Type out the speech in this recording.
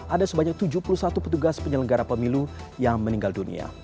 ada sebanyak tujuh puluh satu petugas penyelenggara pemilu yang meninggal dunia